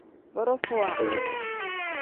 Borofowa.